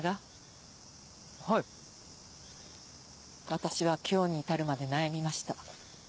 私は今日に至るまで悩みました。